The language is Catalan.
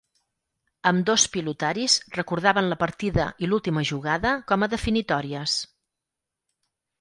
Ambdós pilotaris recordaven la partida i l'última jugada com a definitòries.